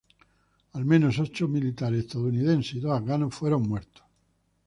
Al menos ocho militares estadounidenses y dos afganos fueron muertos.